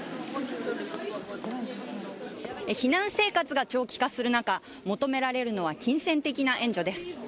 避難生活が長期化する中、求められるのは金銭的な援助です。